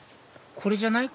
これじゃない？